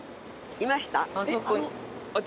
いました？